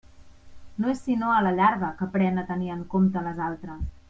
No és sinó a la llarga que aprèn a tenir en compte les altres.